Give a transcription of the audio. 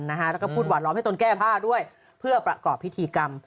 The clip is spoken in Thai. แล้วก็พูดหวานล้อมให้ตนแก้ผ้าด้วยเพื่อประกอบพิธีกรรม